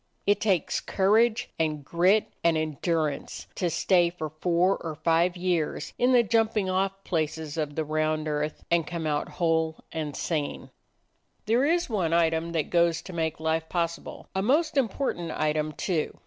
It takes courage and grit and endurance to stay for four or five years in the jumping off places of the round earth and come out whole and sane. 29 DOG HEROES OF MANY LANDS There is one item that goes to make life possible; a most important item, too.